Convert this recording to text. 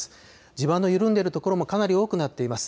地盤の緩んでいるところもかなり多くなっています。